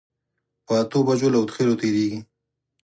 پر اتو بجو له هودخېلو تېرېږي.